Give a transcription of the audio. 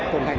của hải quan